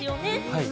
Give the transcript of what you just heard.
はい。